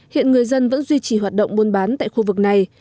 hiện người dân vẫn duy trì hoạt động buôn bán tại khu vực này